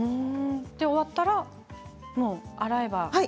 終わったら洗えば。